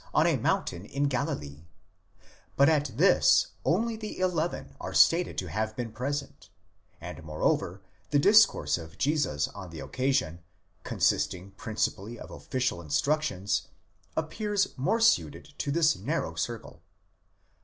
on a mountain in Galilee :'5 but at this only the eleven are stated to have been present, and moreover the discourse of Jesus on the occasion, consist ing principally of official instructions, appears more suited to this narrow circle.